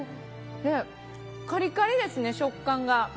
カリカリですね、食感が。